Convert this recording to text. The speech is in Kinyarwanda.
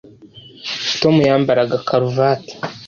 Tom yambaraga karuvati